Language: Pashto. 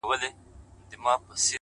زه مي د ميني په نيت وركړمه زړه’